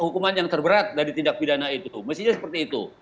hukuman yang terberat dari tindak pidana itu mestinya seperti itu